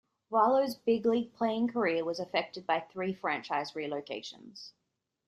Valo's big-league playing career was affected by three franchise relocations.